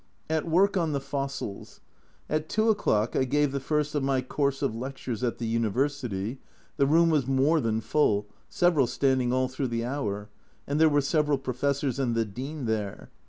At work on the fossils ; at 2 o'clock I gave the first of my course of lectures at the University, the room was more than full, several standing all through the hour, and there were several Professors and the Dean there.